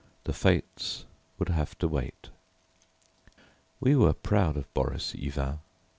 The "Fates" would have to wait. We were proud of Boris Yvain.